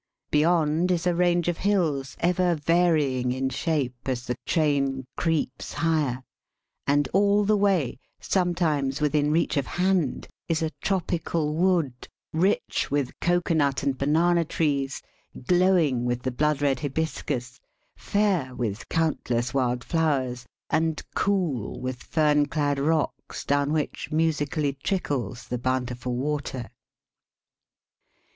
Beyond is a range of hills, ever varying in shape as the train creeps higher; and all the way, sometimes within reach of hand, is a tropical wood, rich with cocoa nut and banana trees, glowing with the blood red hybis'cus, fair with countless wild flowers, and cool with fern clad rocks, down which musically trickles the bountiful water.